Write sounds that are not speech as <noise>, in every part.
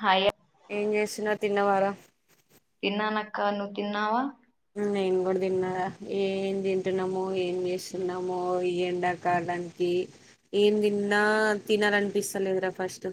Hi ఏం చేస్తున్నర్ తిన్నవారా? <inaudible> తిన్నానక్కా నువ్ తిన్నావా? నేను గూడ తిన్నా ఏం తింటున్నామో, ఏం చేస్తున్నామో, ఈ ఏండ కాడానికి ఏం తిన్నా తినాలనిపిస్తలేదురా ఫస్ట్.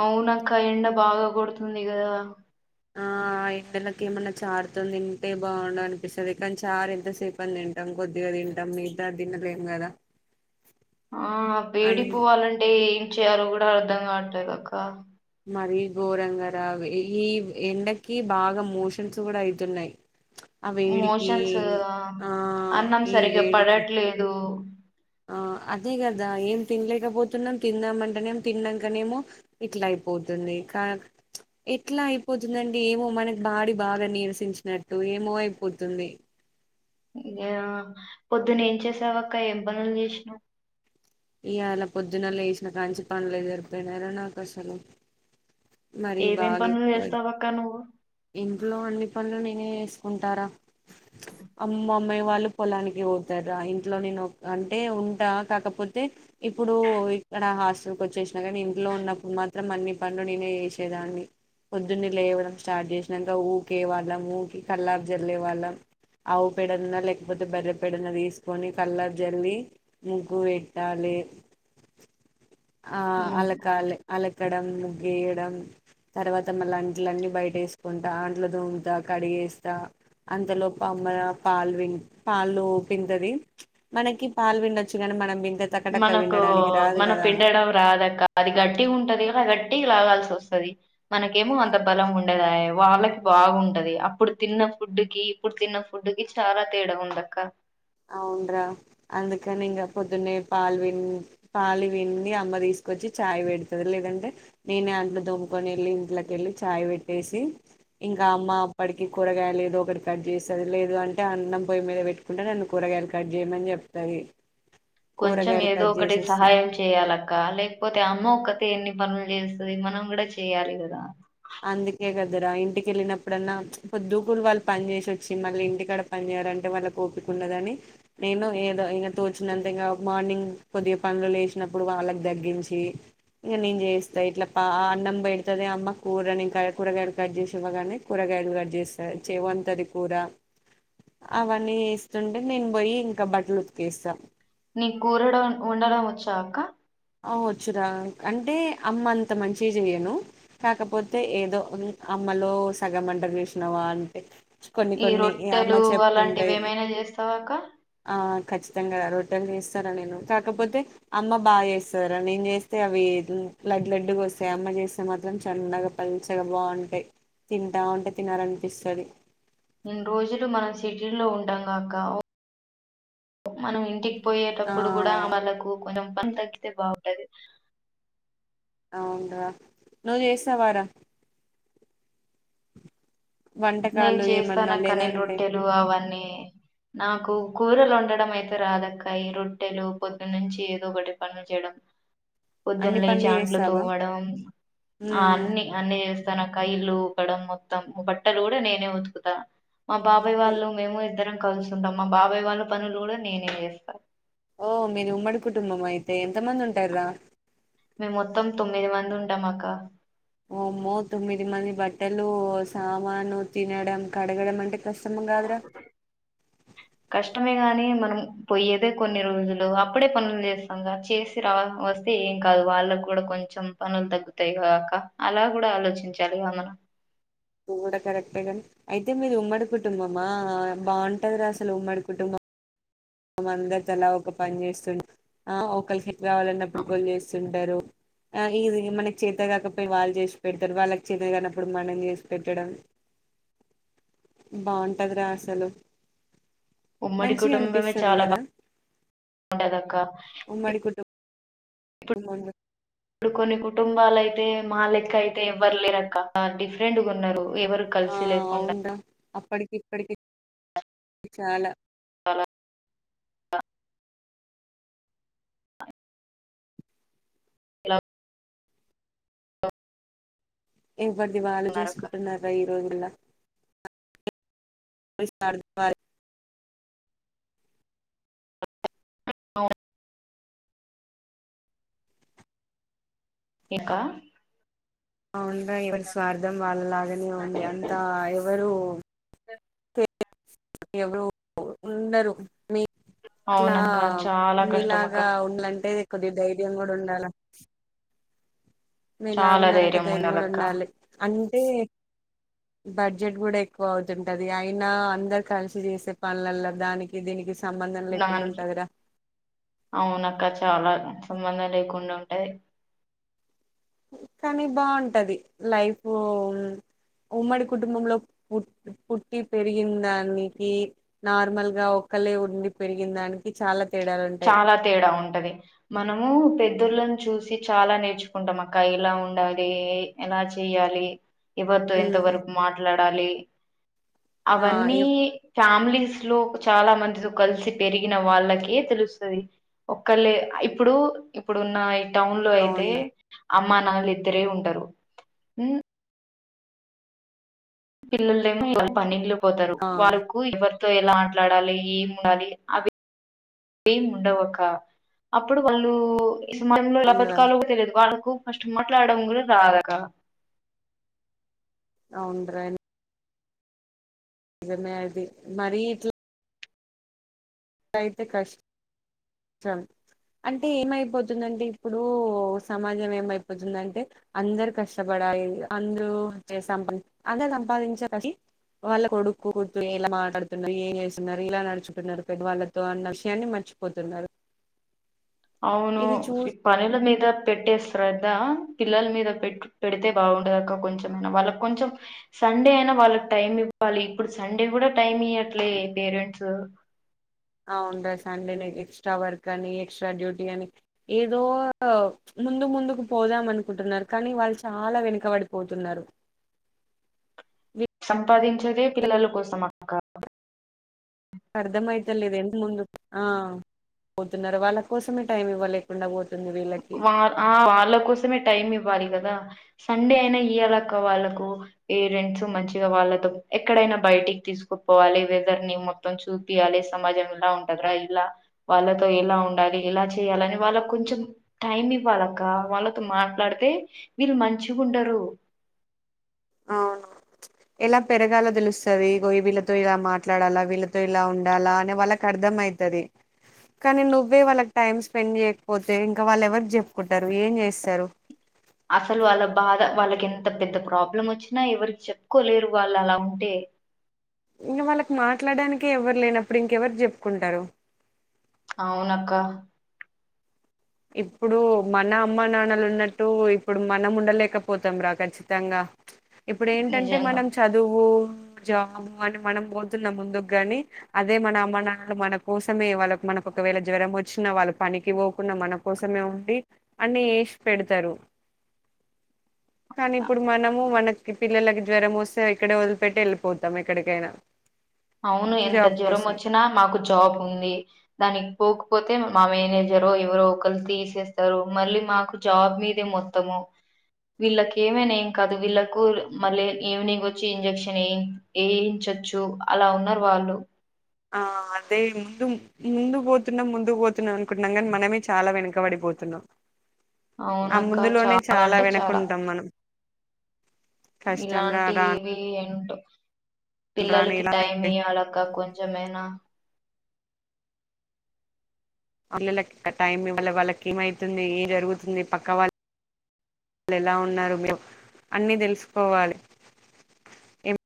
అవునక్క ఎండ బాగా కొడుతుంది కదా. ఆ ఎండెలకి ఏమన్నా చారుతోని తింటే బాగుండు అనిపిస్తది, కానీ చారు ఎంతసేపని తింటాం కొద్దిగా తింటాం మీగతాది తినలేం కదా. ఆ అం వేడిపోవాలండే చేయాలు కూడా అర్ధం కావట్లేదు అక్క మరి గోరంగరా ఈ ఎండకి బాగా మోషన్స్ కూడా అయితున్నాయి ఆ వేడికి మోషన్స్ ఆ అన్నం ఈ సరిగ్గా వేడికి పడట్లేదు ఆ అదే కదా ఏం తినలేకపోతున్నాం తిందామంటేనే తిన్నాకనేమో ఇట్లా అయిపోతుంది కా ఎట్లా అయిపోతుందండి ఏమో మనకి బాడి బాగా నిీరసించినట్టు ఏమో అయిపోతుంది ఇదే పొద్దున్నే ఏం చేసావు అక్క ఏ పనులు ఇ చేసినావు ఇయాళ పొద్దున్న లేగిసిన కాడ్ నుంచి పనులే జరిపోయినారో నాకు అసల ఏమేం పనులు చేస్తావు అక్క నువ్వు ఇంట్లో అన్ని పనులు నేనే చేసుకుంటారా అమ్మ అమ్మాయి వాళ్ళు పొలానికి పోతారా ఇంట్లో నేను అంటే ఉంటా కాకపోతే ఇప్పుడు ఇక్కడ హాస్టల్కి వచ్చేసినా కానీ ఇంట్లో ఉన్నప్పుడు మాత్రం అన్ని పనులు నేనే చేసేదాన్ని పొద్దున్నే లేవ్వడం స్టార్ట్ చేసినాక ఊరికే వాళ్ళం ఊకి కల్లారు జల్లేే వాళ్ళం ఆవు పెడనా లేకపోతే బెర్రపెడయిన తీసుకొని కల్లారు జల్లి ముగ్గు పెట్టాలి ఆ అలకా అల్ అలే క్కడం ముగ్గేయడం తర్వాత మల్ల అంట్లులన్నీ బయట్ వేసుకు కుంటా అంట్లు దోముతా కడిగేస్తా అంతలో పుఅమ్మాయి పాల్ రింగ్ పాలు పింతది న్ మనకి పాలు విన్ డోచ్చు కాని మనం పిండ్ మనకు మనం పిండడం రాద అక్క అది గట్టి ఉంటది కదా గట్టి రావాల్సి వస్తది మనకేమో అంత బలం ఉండేదా య్ వాళ్ళకి బాగుంటది అప్పుడు తిన్న ఆప్పుడు కి అప్పుడు తిన్న ఆప్పుడుకి చాలా తేడా ఉంద అక్క అవున్రా అందుకని ఇంకా పొద్దున్నే పాలు విండి పాలు విండి అమ్మ తీసుకొచ్చి చాయ్ పెడతుంది లేదంటే నేనే అంట్లు దోముకొని వెళ్ళి ఇంట్లోకి వెళ్ళి చాయ్ పెట్టేసి ఇంకా అమ్మ అప్పటికి కూరగాయ లేదు ఒకటి కట్ చేస్తది లేదు అంటే అన్నం పొయ్య మీద పెట్టుకుంటే నన్ను కూరగాయలు కట్ చేయమని చెప్తాది కొంచెం ఏదో ఒకటి సహాయం చేయాలక్క లేకపోతే అమ్మ ఒక్కతే ఎన్ని పనులు చేస్తాది మనం కూడా చేయాలి కదా అందుకే కదరా ఇంటికి వెళ్ళినప్పుడన్నా పొద్దుగురు వాళ్ళు పని చేసి వచ్చి మళ్ళీ ఇంటికాడ పని చేయాలంటే వాళ్ళకి ఒపిక ఉండదని నేను ఏదో ఇకా తోచినంత ఇంకా మార్నింగ్ కొద్దిగా పనులు లేచినప్పుడు వాళ్ళకి తగ్గించి ఇంక నేను చేస్తా ఇట్లా పా అన్నం పెడుతది అమ్మ కూరని ఇంకా కూరగాయలు కట్ చేసి ఇవ్వగానే కూరగాయలు కట్ చేస్తా చేవంతది కూర అవన్నీ చేస్తుంటే నేను పోయి ఇంకా బట్టలు ఉతికేస్తా నీకు కూర వండ వండడం వచ్చా అక్క అ వచ్చు రా అంటే అమ్మ అంత మంచి చెయను కాకపోతే ఏదో అమ్మలో సగంవంట చేసినావా అంతే ఈ రొట్టెలు అలాంటివిమైనా చేస్తావా అక్క ఆ ఖచ్చితంగా రొట్టెలు చేస్తారా నేను కాకపోతే అమ్మ బాగా చేస్తా త్తదిరా నేను చేస్తే అవి లడ్ లడ్డుగా వస్తాయి అమ్మ చేస్తే మాత్రం చన్నగా పల్చగా బాగుంటాయి తింటా ఉంటే తినాలనిపిస్తది ఇను రోజులు మనం సిటీలో ఉంటాంగా అక్క మనం ఇంటికి ఆ పోయేటప్పుడు కూడా వాళ్ళకు కొదం బ తగ్గితే బాగుంటది అవును రా నువ్వు చేస్తావారా నేను వంటకాలు చేస్తాను ఏమన్నా అక్క నేను లేదంటే రొట్టెలు అవన్నీ నాకు కూరలు వండడం అయితే రాదా అక్క ఈ రొట్టెలు పొద్దున్న్ నుంచి ఏదో ఒకటి పనులు చేయడం పొద్దున్న అన్ని లేచి పనులు అంట్లు చేస్తావా తోమడం ఆ ఉమ్ అన్ని అన్ని చేస్త తన్నా అక్క ఇల్లు ఊపడం మొత్తం బట్ట బట్టలు కూడా నేనే ఊతుకుతా మా బాబాయి వాళ్ళు మేము ఇద్దరం కలుసుంటాం మా బాబాయ్ వాళ్ళ పనులు కూడా నేనే చేస్తా. ఓ మీది ఉమ్మడి కుటుంబమ్ అయితే ఎంతమంది ఉంటారు రా మేము మొత్తం తొమ్మిది మంది ఉంటాం అక్క ఓమ్మో తొమ్మిది మంది బట్టలు, సామాను, తినడం, కడగడం అంటే. కష్టం కాదురా కష్టమే గాని మన్ పోయేదే కొన్ని రోజులు అప్పుడే పనులు చేస్తాంగా. చేసి రా వస్తే ఏం కాదు. వాళ్ళక్ గూడా కొంచెం పనులు తగ్గుతాయిగా అక్క. అలా కూడా ఆలోచించాలిగా మనం. కూడా కరెక్టే గాని అయితే మీది ఉమ్మడి కుటుంబమా బాగుంటదిరా అసలు. ఉమ్మడి కుటుంబం. అందరూ తల ఒక పని చేస్తుంటే. ఆహ్ ఒకళ్కి గావాలన్నప్పడు ఫోన్ చేస్తుంటారు. ఆ ఈది మనక్ చేత గాకపోయినా వాళ్ళు చేసి పెడ్తారు. వాళ్ళకి చేత గానప్పుడు మనం చేసి పెట్టడం. ఉమ్ బాగుంటదిరా అసలు. ఉమ్మడి మంచిగా కుటుంబమే అనిపిస్తది చాలా కదా బాగుంటాదక్ కా ఉమ్మడి కుటుంబ్ ఇప్డ్ ఇప్పుడు కొన్నీ కుట్ కుటుంబల్యితే మా లెక్క అయితే ఎవ్వరు లేరాక్క. ఆ డిఫ్రెంట్గున్నారు. ఎవరు కలిసి లేకుండా ప్పడికి ఇప్పడికి చాలా చాలా ఇలా ఎవర్ది వాళ్ళు ఉన్నారక్క చూసుకుంటున్నారా. ఈ రోజుల్ల <inaudible> <unintelligible> అవున్ ఇంకా అవున్రా ఎవర్ స్వార్థం వాళ్ళలాగానే ఉంది. అంత ఎవరు కె <unintelligible> ఎవరు ఉండరు మీ అట్లా అవునక్క చాలా కష్టం అక్క మీలాగా ఉండ్లంటే కొద్దిగ్ ధైర్యం కూడా ఉండాల. మీలాగా చాలా ఉండాలంటే ధైర్యం కూడా ఉండాలక్క ఉండాలి. అన్ టే బడ్జెట్ గూడా ఎక్కువ అవుతుంటది. అయినా అందరు కలిసి చేసే పన్లల్లో దానికి దీనికి సంబంధం లేకుండా దానికి ఉంటదిరా అవున అక్క చాలా సంబంధం లేకుండా ఉన్ టాయ్ కానీ బావుంటది. లైఫూ ఉమ్మడి కుటుంబంలో పు పుట్టి, పెరిగిన్ దానికి. నార్మల్ గా ఒక్కల్లె ఉండి పెరిగిన్ దానికి చాలా తేడాలు ఉంటాయి చాలా తేడా ఉంటది. మనము పెద్ధోళ్ళన్ చూస్ సి చాలా నేర్చుకుంటాం అక్క. ఎలా ఉండాలి ఏ ఎలా చేయాలి. ఎవరితో ఉమ్ ఎంతవరక్ మాట్లాడ్ డాలి ఆ అవన్నీ ఏ ఫ్యామిలీస్ లో చాలా మందితో కలిసి పెరిగిన వాళ్ళకే తెలుస్ స్తది ఒక్కల్లె ఇప్పుడు ఇప్పుడున్న ఏ టౌన్ లో అయితే అవును అమ్మా నాళ ఇద్దరే ఉంటరు ఊ పిలలేమో వాళ్ళ పనిలు పోతారు ఆ వాళ్ళకు ఇవరు తో ఎలా ఆట్లాడాలి ఏం ఉండాలి అవి ఏం ఉండవక్క అప్పుడు వాళ్ళు ఈ సమయంలో ఎలా అవునురా బత్కాలో కూడా తెలియదు వాళ్ళకు కు ఫస్టు మట్లాడం కూడా రాదక్క అవును డ్రాన్ నిజమే అది మరి ఇట్ల అయితే కష్టం అంటే ఏమైపోతుందంటే ఇప్పుడు సమాజం ఏమైపోతుందంటే అందరు కష్టపడాలి అందరూ సంపా అందరు సంపాదించసి వాళ్ళ కొడుక్కు కుర్తు ఇలా మాట్లాడుతున్నారు ఏం చేస్తున్నారు ఇలా నడుచుకున్నారు పెడ్ వాళ్ళతో అన్న విషయాన్ని మర్చిపోతున్నారు అవును ఇది చూ ఈ పనిల మీద పెట్టేస్ శ్రధ పిల్లల మీద పెట్ పెడితే బాగుండదు అక్క కొంచెంమైనా వాళ్ళకి కొంచెం సండే అయినా వాళ్ళకి టైం ఇవ్వాలి ఇప్పుడు సండే కూడా టైం ఇయ్యట్లే పేరెంట్సు అవును ర సండే నే ఎక్స్ట్రా వర్క్ అని ఎక్స్ట్రా డ్యూటీ అని ఏదో ముందు ముందుకు పోదాం అనుకుంటున్నారు కానీ వాళ్ళు చాలా వెనుకబడిపోతున్నారు వి సంపాదించేదే పిల్లల కోసం అక్క అర్థ అయితలేదు ఎంత ముందు ఆ పోతున్నారు వాళ్ళ కోసమే టైమ్ ఇవ్వలేకుండా పోత్ వా ఆ వాళ్ళ కోసమే టైమ్ ఇవ్వాలి కదా సండే అయినా ఇయ్యలాక వాళ్ళకు పేరెంట్స్ మంచిగా వాళ్ళతో ఎక్కడైనా బయటికి తీసుకుపోవాలి వెదర్ ని మొత్తం చూపియాలి సమాజం ఇలా ఉంటదిరా ఇలా వాళ్ళతో ఎలా ఉండాలి ఇలా చేయాలని వాళ్ళ కొంచెం టైమ్ ఇవ్వాలక్క వాళ్ళతో మాట్లాడితే వీళ్ళు మంచిగుండరు అవును ఎలా పెరగాలో తెలుస్తది ఇగో వీళ్ళతో ఇలా మాట్లాడాలా వీళ్ళతో ఇలా ఉండాలా అనే వాళ్ళకి అర్థం ఐతది కానీ నువ్వే వాళ్ళకి టైమ్ స్పెండ్ చేయకపోతే ఇంకా వాళ్ళు ఎవరి చెప్పుకుంటరు ఏం చేస్తారు అసలు వాళ్ళ బాధ వాళ్ళకి ఎంత పెద్ద ప్రాబ్లం వచ్చినా ఎవరికి చెప్పుకోలేరు వాళ్ళు అలా ఉంటే ఇంక వాళ్ళకి మాట్లాడానినికి ఎవరు లేనప్పుడు ఇంకెవరు చెప్పుకుంటారు అవునక్క ఇప్పుడు మన అమ్మ నాన్నలు ఉన్నట్టు ఇప్పుడు మనం ఉండలేకపోతాం రా ఖచ్చితంగా ప్చ్ ఇప్పుడు ఏంటంటే నిజంగా మనం చదువు జాబు అని మనం పోతున్నాం ముందుకు గాని అదే మన అమ్మనాలు మన కోసమే వాళ్ళ మనకు ఒకవేళ జ్వరం వచ్చిన వాళ్ళ పనికి పోకున్నా మనం కోసమే ఉండి అన్ని ఏసి పెడతారు కానీ ఇప్పుడు మనము మనకి పిల్లలకి జ్వరం వస్తే ఇక్కడే వదిలిపెట్టి ఎళ్ళిపోతం ఎక్కడికైనా అవును ఎంత జాబ్ జ్వరం కోసం వచ్చినా మాకు జాబ్ ఉంది దానికి పోకపోతే తె మా మేనేజరో ఎవరో ఒకలు తీసేస్తారు మళ్ళీ మాకు జాబ్ మీదే మొత్తము వీళ్ళక ఏమైనా ఏం కాదు వీళ్ళకు మళ్ళీ ఈవినింగ్ వచ్చి ఇంజక్షన్ ఏ ఏయించచ్చు అలా ఉన్నారు వాళ్ళు ఆ అదే ముందు ముందు పోతున్నాం ముందుకు పోతున్నాం అనుకుంటున్నాం కాని మనమే చాలా వెనుకబడిపోతున్నాం ఆ ముందులోనే చాలా వెనకుంటాం మనం కష్టం రా రాను ఇలాంటీవి ఎన్ <inaudible> రాను పిల్లలకి ఇలా టైమ్ ఇయ్యాలక కొం జమేనా అలల్లకింకా టైం ఇవాళ్ళ వాళ్లకి ఏమైతుంది ఏం జరుగుతుంది పక్క వాళ్ళు ఎలా ఉన్నారు మే అన్నీ తెలుసుకోవాలి ఏం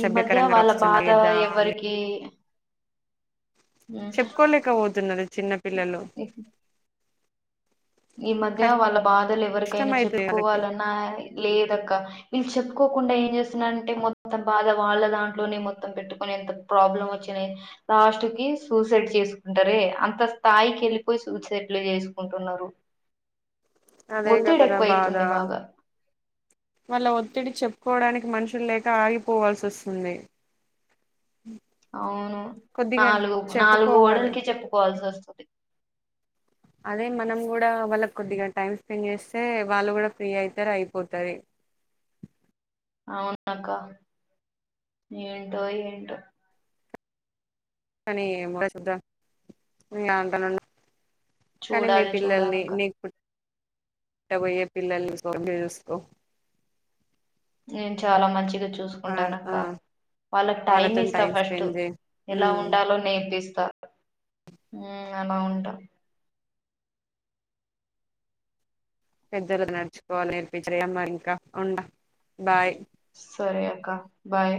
ఈ మధ్య వాళ్ళ బాధ ఎవ్వరికి చెప్పుకొలేక పోతున్నది చిన్న పిల్లలు ఉమ్, ఈ మధ్య వాళ్ళ బాధలు కష్టం ఎవరికైనా అయితది వాళ్ళకి చెప్పుకోవాలన్నా లేదక్క వీళ్ళు చెప్పుకోకుండా ఏం చేస్తున్నారంటే మొత్తం బాధ వాళ్ళ దాంట్లోనే మొత్తం పెట్టుకుొని ఎంత ప్రాబ్లం వచ్చిన లాస్ట్ కి సూసైడ్ చేసుకుంటారే అంత స్థాయికి వెళ్ళిపోయి సూసైడ్లు చేసుకుంటున్నారు అదే ఒత్తిడి కదరా ఎక్కువ బాధ అయితుంది బాగా మళ్ళా ఒత్తిడి చెప్పుకోడానికి మనుషులు లేక ఆగిపోవాల్సి వస్తుంది అవును కొద్దిగా నాలుగు నాలుగు చెప్పుకోవాలి గోడలకి చెప్పుకోవాల్సి వస్తు అదే మనం కూడా వాళ్ళకి కొద్దిగా టైమ్ స్పెండ్ చేస్తే వాళ్ళు కూడా ఫ్రీ అయితారు అయిపోతారు అవునాకా ఏంటో ఏంటో కానీ <unintelligible> ఇలా అంటన్నాను కానీ మీ చూడాలి పిల్లల్ని చూడాలక్క నీకు పుట్ట పోయే పిల్లలు సరిగ్గా చూసుకో నేను చాలా మంచి చూసుకుంటానక్క ఆ వాళ్ళకి టైమ్ వాళ్ళతోని ఇస్తా టైం ఫస్ట్ స్పెండ్ చేయి ఎలా ఉండాలో నేర్పిస్త అలా ఉంటాం పెద్దలు నడుచుకోవాలి నేర్పిజయ అమ్మ ఇంకా ఉండ బాయ్ సరే అక్క బాయ్